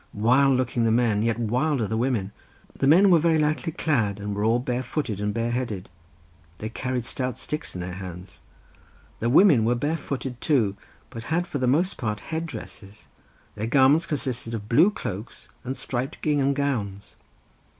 Wild looked the men, yet wilder the women. The men were very lightly clad, and were all barefooted and bareheaded; they carried stout sticks in their hands. The women were barefooted too, but had for the most part headdresses; their garments consisted of blue cloaks and striped gingham gowns.